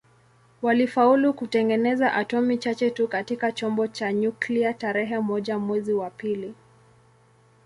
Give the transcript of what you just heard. Walifaulu kutengeneza atomi chache tu katika chombo cha nyuklia tarehe moja mwezi wa pili